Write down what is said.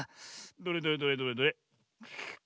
どれどれどれどれどれ。